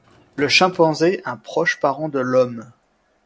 Le chimpanzé un proche parent de l'homme